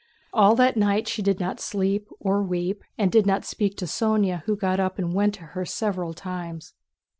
All that night she did not sleep or weep and did not speak to Sónya who got up and went to her several times.